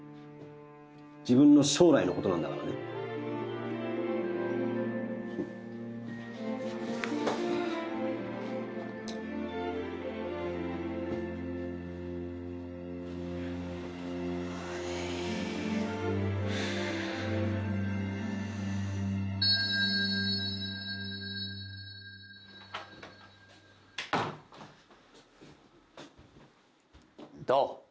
自分の将来のことなんだからねどう？